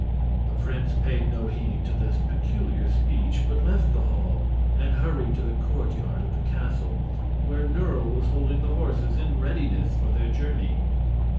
The prince paid no heed to this peculiar speech, but left the hall and hurried to the courtyard of the castle, where Nerle was holding the horses in readiness for their journey.